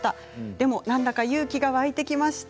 でも何だか勇気が湧いてきました。